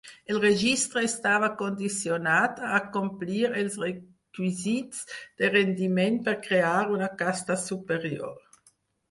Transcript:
El registre estava condicionat a acomplir els requisits de rendiment per crear una casta superior.